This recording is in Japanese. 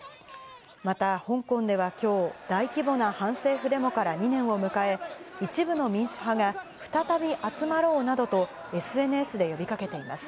また、香港ではきょう、大規模な反政府デモから２年を迎え、一部の民主派が、再び集まろうなどとＳＮＳで呼びかけています。